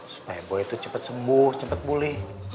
supaya boy tuh cepet sembuh cepet boleh